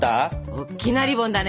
おっきなリボンだね？